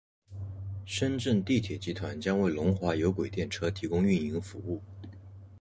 深圳地铁集团将为龙华有轨电车提供运营服务。